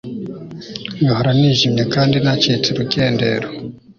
ngahora nijimye kandi nacitse urukendero